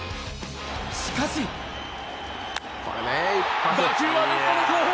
しかし打球はレフトの後方。